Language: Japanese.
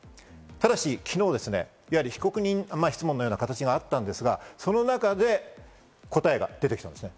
ただし昨日、いわゆる被告人質問のような形があったんですが、その中で答えが出てきたんですね。